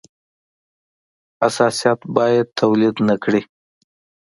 حساسیت باید تولید نه کړي.